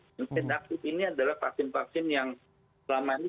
vaksin aktif ini adalah vaksin vaksin yang selama ini